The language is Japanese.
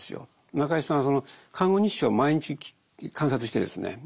中井さんはその看護日誌を毎日観察してですね